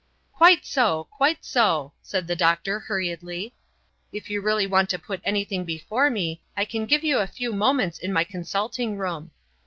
"Quite so! Quite so!" said the doctor, hurriedly. "If you really want to put anything before me, I can give you a few moments in my consulting room."